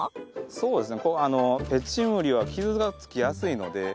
そうですね。